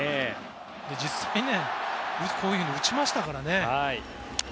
実際、こういうふうに打ちましたからね。